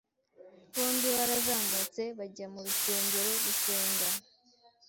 Bombi barazamutse bajya mu rusengero gusenga